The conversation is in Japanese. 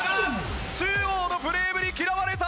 中央のフレームに嫌われた。